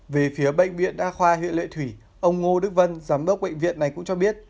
về phía bệnh viện đa khoa huyện lệ thủy ông ngô đức vân giám đốc bệnh viện này cũng cho biết